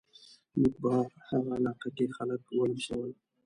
موږ په هغه علاقه کې خلک ولمسول.